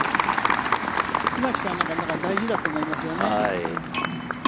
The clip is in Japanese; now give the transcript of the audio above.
桑木さんなんか大事だと思いますよね。